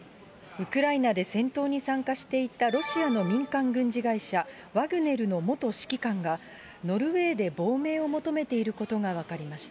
ウクライナで戦闘に参加していたロシアの民間軍事会社、ワグネルの元指揮官が、ノルウェーで亡命を求めていることが分かりました。